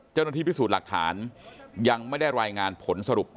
เจ้าหน้าที่พิสูจน์หลักฐานยังไม่ได้รายงานผลสรุป